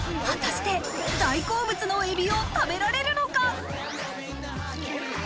果たして大好物のエビを食べられるのか？